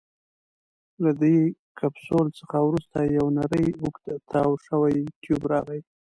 له دې کپسول څخه وروسته یو نیری اوږد تاو شوی ټیوب راځي.